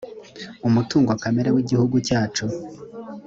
umutungo kamere w igihugu cyacu